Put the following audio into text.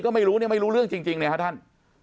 ก็ไม่รู้เนี่ยไม่รู้เรื่องจริงเนี่ยครับท่าน